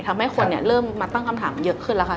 ทำให้คนเริ่มมาตั้งคำถามเยอะขึ้นแล้วค่ะ